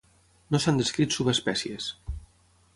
No s'han descrit subespècies.